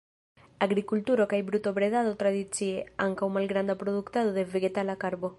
Agrikulturo kaj brutobredado tradicie, ankaŭ malgranda produktado de vegetala karbo.